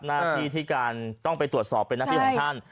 หน้าที่ที่การต้องไปตรวจสอบเป็นหน้าที่ของท่าน